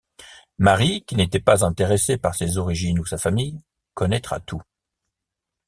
Marie, qui n'était pas intéressée par ses origines ou sa famille, connaîtra tout.